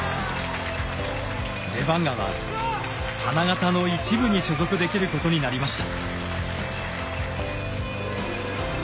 レバンガは花形の１部に所属できることになりました。